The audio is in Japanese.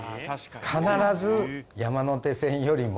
必ず。